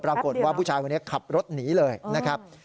ปรากฏว่าผู้ชายคนนี้ขับรถหนีเลยนะครับ